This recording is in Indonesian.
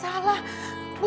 jalan jalan ayo jalan jalan